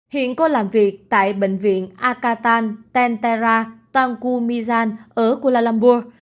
hiện cô làm việc tại bệnh viện akatan tentera tangku mizan ở kuala lumpur